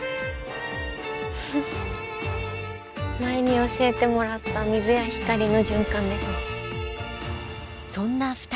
前に教えてもらった水や光の循環ですね。